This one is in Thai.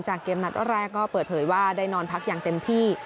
เกมนัดแรกก็เปิดเผยว่าได้นอนพักอย่างเต็มที่